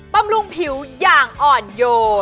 ำรุงผิวอย่างอ่อนโยน